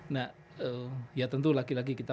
nah ya tentu lagi lagi kita